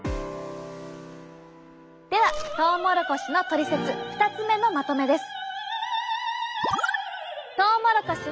ではトウモロコシのトリセツ２つ目のまとめです。